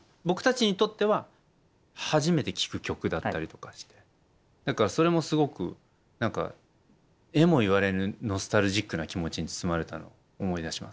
僕たちにとっては初めて聴く曲だったりとかしてそれもすごく何かえも言われぬノスタルジックな気持ちに包まれたのを思い出します。